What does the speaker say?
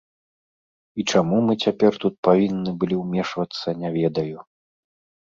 І чаму мы цяпер тут павінны былі ўмешвацца, не ведаю.